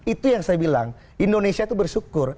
itu yang saya bilang indonesia itu bersyukur